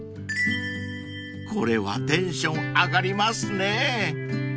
［これはテンション上がりますね］